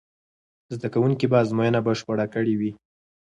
زده کوونکي به ازموینه بشپړه کړې وي.